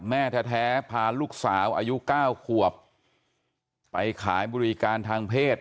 แม่แท้พาลูกสาวอายุ๙ขวบไปขายบริการทางเพศ